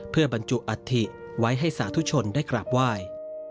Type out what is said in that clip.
เพื่อบรรจุอัฐิไว้ให้สาธุชนได้กราบไหว้